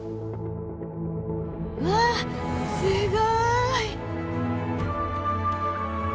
うわすごい！